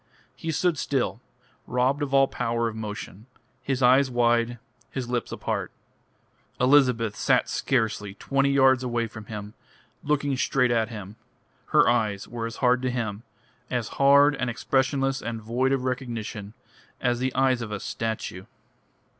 He stood still, robbed of all power of motion, his eyes wide, his lips apart. Elizabeth sat scarcely twenty yards away from him, looking straight at him. Her eyes were as hard to him, as hard and expressionless and void of recognition, as the eyes of a statue.